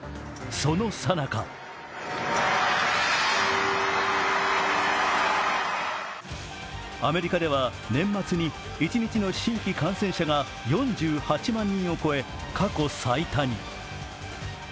そのさなかアメリカでは年末に一日の新規感染者が４８万人を超え過去最多に。